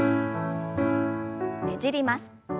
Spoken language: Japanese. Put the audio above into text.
ねじります。